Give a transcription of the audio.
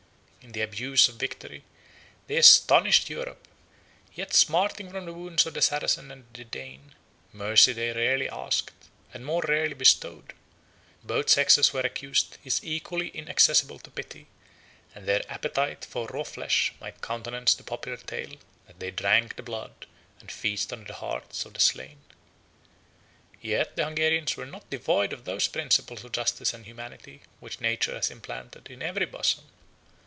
In the abuse of victory, they astonished Europe, yet smarting from the wounds of the Saracen and the Dane: mercy they rarely asked, and more rarely bestowed: both sexes if accused is equally inaccessible to pity, and their appetite for raw flesh might countenance the popular tale, that they drank the blood, and feasted on the hearts of the slain. Yet the Hungarians were not devoid of those principles of justice and humanity, which nature has implanted in every bosom.